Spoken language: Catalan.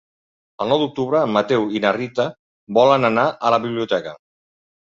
El nou d'octubre en Mateu i na Rita volen anar a la biblioteca.